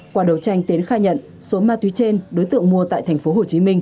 qua đầu tranh tiến khai nhận số ma túy trên đối tượng mua tại tp hcm